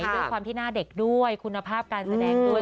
ด้วยความที่หน้าเด็กด้วยคุณภาพการแสดงด้วย